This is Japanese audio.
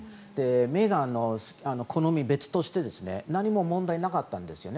メーガン妃の好みは別として何も問題なかったんですね。